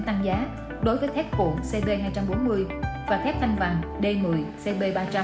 cụ thể thép việt nhật có mức tăng giá đối với thép cụ cd hai trăm bốn mươi và thép thanh vàng d một mươi cp ba trăm linh